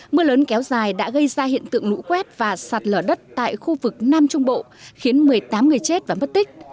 mưa lớn kéo dài đã gây ra hiện tượng lũ quét và sạt lở đất tại khu vực nam trung bộ khiến một mươi tám người chết và mất tích